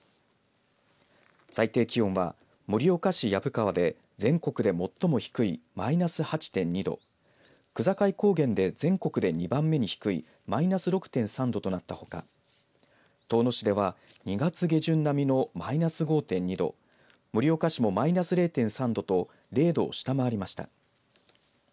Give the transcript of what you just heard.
最低気温は盛岡市薮川で全国で最も低いマイナス８．２度区界高原で全国で２番目に低いマイナス６．３度となったほか遠野市では２月下旬並みのマイナス５．２度盛岡市もマイナス０．３度と０度を下回りました。